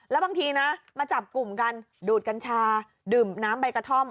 แล้วบางทีนะมาจับกลุ่มกันดูดกัญชาดื่มน้ำใบกระท่อม